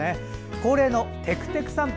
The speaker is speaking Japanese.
恒例の「てくてく散歩」